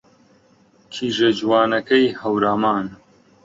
کیژە جوانەکەی هەورامان